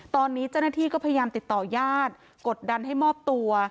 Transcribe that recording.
ตอนนี้เจ้าหน้าที่ก็พยายามติดต่อญาติกดดันให้มอบตัว